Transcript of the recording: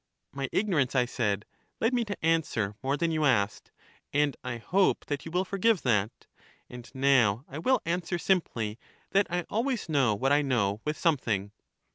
My ignorance, I said, led me to answer more than you asked, and I hope that you will forgive that. And now I will answer simply that I always know what I know with something.